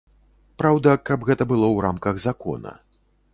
Праўда, каб гэта было ў рамках закона.